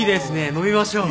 飲みましょう。